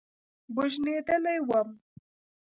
بوږنېدلى وم.